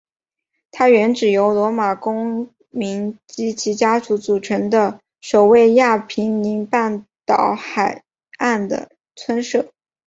它原指由罗马公民及其家属组成的守卫亚平宁半岛海岸的村社。